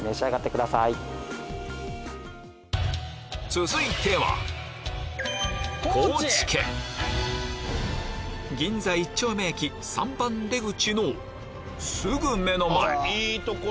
続いては銀座一丁目駅３番出口のすぐ目の前！